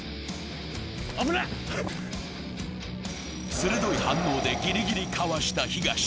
鋭い反応でギリギリかわした東。